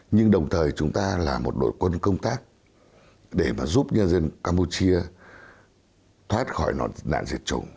nhưng đồng thời chúng ta là một đội quân công tác để mà giúp nhân dân campuchia thoát khỏi nạn diệt chủng